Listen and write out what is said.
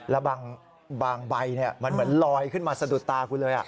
แล้วบางใบมันเหมือนลอยขึ้นมาสะดุดตากูเลย